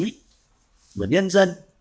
của nhân dân